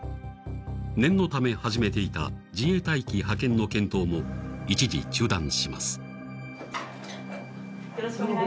念のため始めていた自衛隊機派遣の検討も一時中断します。